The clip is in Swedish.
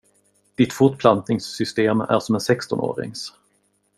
Ditt fortplantningssystemär som en sextonårings.